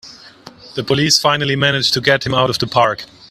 The police finally manage to get him out of the park!